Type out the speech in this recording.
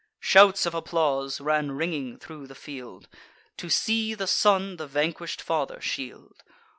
Shouts of applause ran ringing thro' the field, To see the son the vanquish'd father shield.